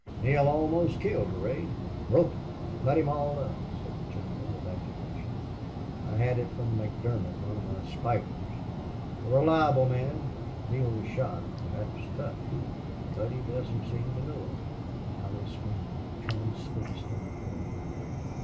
"Neale almost killed Durade! Broke him! Cut him all up!" said the general, with agitation. "I had it from McDermott, one of my spikers a reliable man.... Neale was shot perhaps cut, too.... But he doesn't seem to know it." Allie sprang up, transfixed and thrilling.